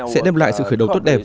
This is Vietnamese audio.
sẽ đem lại sự khởi đầu tốt đẹp